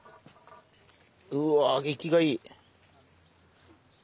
うわ生きがいい。